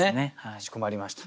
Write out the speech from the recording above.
かしこまりました。